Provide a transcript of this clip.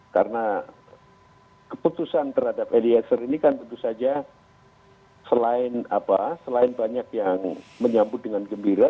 karena keputusan terhadap lpsk ini kan tentu saja selain banyak yang menyambut dengan gembira